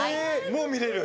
もう見れる？